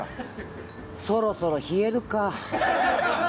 そろそろ冷えるか。